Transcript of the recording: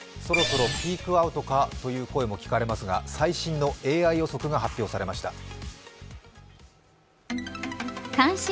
そろそろピークアウトかとの声も聞かれますが最新のＡＩ予測が発表されました。